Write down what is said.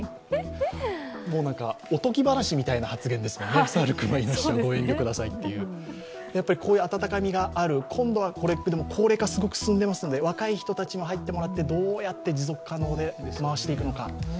もうおとぎ話みたいな発言ですもんね、サル・クマ・イノシシはご遠慮くださいってこういう温かみがある、高齢化がすごく進んでますんで若い人たちも入ってもらって、どうやって持続可能で回していくのか。